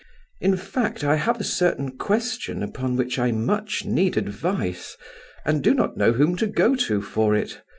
In fact, I have a certain question upon which I much need advice, and do not know whom to go to for it.